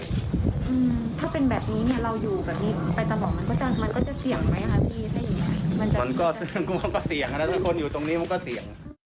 มันก็เสี่ยงคนอยู่ตรงนี้มันก็เสี่ยง